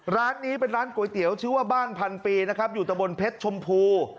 ร้านนี้เป็นร้านก๋วยเตี๋ยวชื่อว่าบ้านพันปีนะครับอยู่ตะบนเพชรชมพู